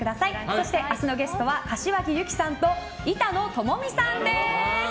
そして明日のゲストは柏木由紀さんと板野友美さんです。